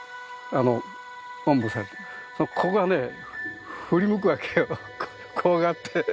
おんぶされてるその子がね振り向くわけよ怖がって。